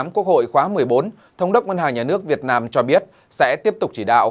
quốc hội khóa một mươi bốn thống đốc ngân hàng nhà nước việt nam cho biết sẽ tiếp tục chỉ đạo